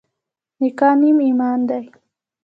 نکاح نیم ایمان دی.